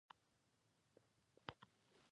د دې پروژې مرسته کوونکي د غږ ثبتولو لپاره وکارول شي.